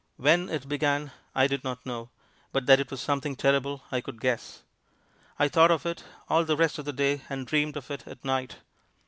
When it began I did not know, but that it was something terrible I could guess. I thought of it all the rest of the day and dreamed of it at night.